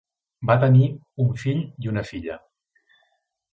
Va tenir un fill i una filla.